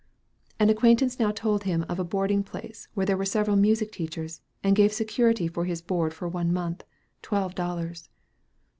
An acquaintance now told him of a boarding place where there were several music teachers, and gave security for his board for one month, twelve dollars.